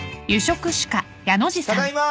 ただいま。